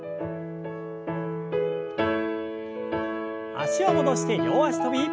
脚を戻して両脚跳び。